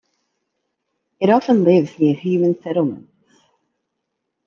It often lives near human settlements.